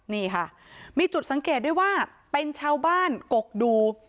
นี่ค่ะมีจุดสังเกตด้วยว่าเป็นชาวบ้านกกดู